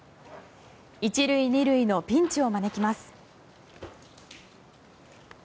１塁２塁のピンチを招きます。